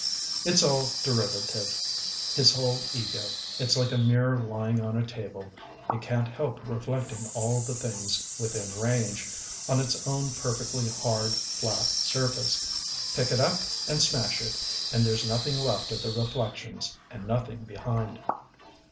It's all derivative ŌĆö his whole ego. It's like a mirror lying on a table; it can't help reflecting all the things within range, on its own perfectly hard, flat surface. Pick it up and smash it, and there's nothing left of the reflections, and nothing behind.